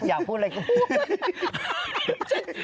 อยากพูดเลยก็พูด